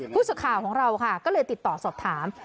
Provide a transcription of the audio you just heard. ผู้สื่อข่าวของเราค่ะก็เลยติดต่อสอบถาม